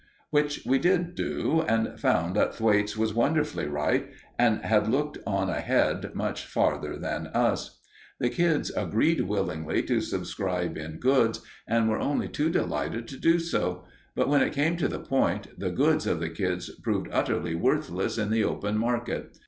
Which we did do, and found that Thwaites was wonderfully right, and had looked on ahead much farther than us. The kids agreed willingly to subscribe in goods, and were only too delighted to do so; but when it came to the point, the goods of the kids proved utterly worthless in the open market.